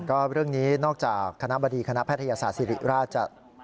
ก็เรื่องนี้นอกจากคณะบดีคณะแพทยศาสตร์ศิริราชจะ